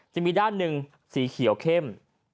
จะมีด้านหนึ่งสีเขียวเข้ม